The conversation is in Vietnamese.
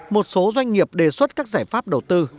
một số doanh nghiệp đề xuất các giải pháp đầu tư